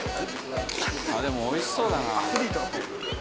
でもおいしそうだな。